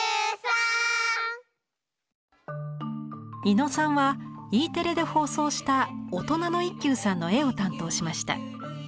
伊野さんはＥテレで放送した「オトナの一休さん」の絵を担当しました。